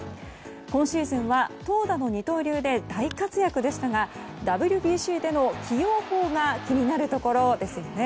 今シーズンは投打の二刀流で大活躍でしたがＷＢＣでの起用法が気になるところですよね。